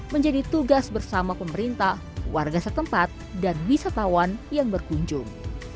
menjadi tugas bersama pemerintah warga setempat dan wisatawan yang berkunjung